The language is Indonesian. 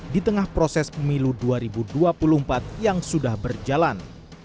di tengah proses pemilu dua ribu dua puluh empat yang sudah berjalan